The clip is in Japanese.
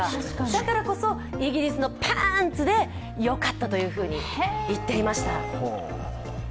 だからこそ、イギリスのパーンツ！で良かったというふうに言っていました。